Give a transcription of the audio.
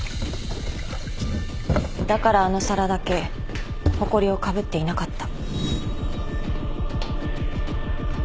だからあの皿だけほこりをかぶっていなかった。